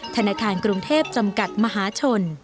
ธนาคารกรุงเทพจำกัดมหาชน